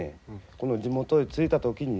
この地元へ着いた時にね